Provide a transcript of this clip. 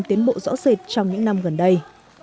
tiến bộ rõ rệt trong những năm gần đây